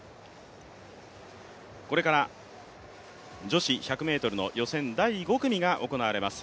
これから女子１００ｍの予選第５組が行われます